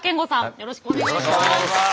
よろしくお願いします。